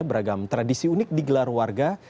beragam tradisi unik di gelar warga